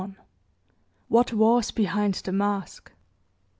WHAT WAS BEHIND THE MASK.